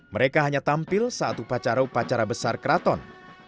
mereka hanya tampil satu pacara pacara besar keraton